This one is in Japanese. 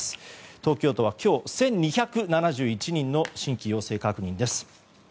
東京都は今日、１２７１人の新規陽性確認です。